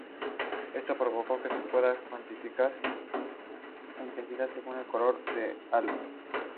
Esto provoca que se pueda cuantificar su intensidad según el color del halo.